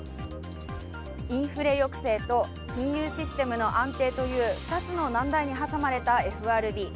インフレ抑制と金融システムの安定という２つの難題に挟まれたＦＲＢ。